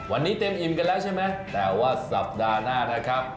วันนี้เต็มอิ่มกันแล้วใช่ไหมแต่ว่าสัปดาห์หน้านะครับ